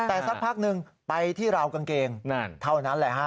แต่สักพักหนึ่งไปที่ราวกางเกงเท่านั้นแหละฮะ